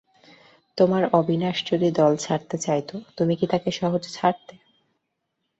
তোমার অবিনাশ যদি দল ছাড়তে চাইত তুমি কি তাকে সহজে ছাড়তে?